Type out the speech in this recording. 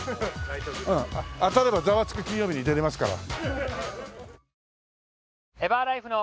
当たれば『ザワつく！金曜日』に出れますから。